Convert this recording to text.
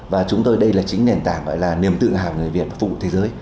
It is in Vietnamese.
và chúng tôi đây là chính nền tảng gọi là niềm tự hào người việt phụ thế giới